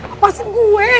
apa sih gue